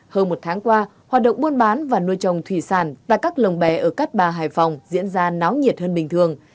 hơn một tháng qua hoạt động buôn bán và nuôi trồng thủy sản và cắt lồng bè ở các bà hải phòng diễn ra náo nhiệt hơn bình thường